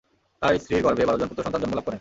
এই স্ত্রীর গর্ভে বারজন পুত্র সন্তান জন্মলাভ করেন।